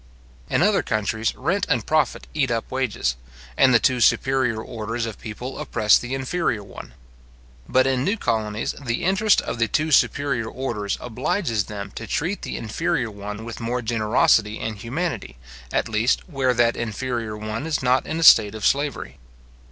In other countries, rent and profit eat up wages, and the two superior orders of people oppress the inferior one; but in new colonies, the interest of the two superior orders obliges them to treat the inferior one with more generosity and humanity, at least where that inferior one is not in a state of slavery.